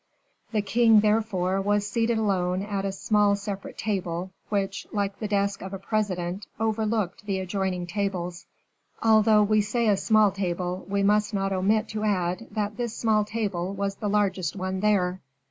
The king, therefore, was seated alone at a small separate table, which, like the desk of a president, overlooked the adjoining tables. Although we say a small table, we must not omit to add that this small table was the largest one there.